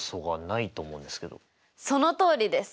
そのとおりです！